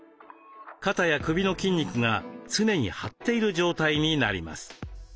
肩や首の筋肉が常に張っている状態になります。